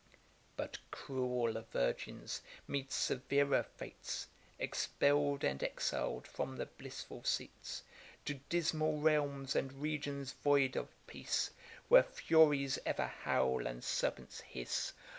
But cruel virgins meet severer fates; Expell'd and exil'd from the blissful seats, To dismal realms, and regions void of peace, Where furies ever howl, and serpents hiss.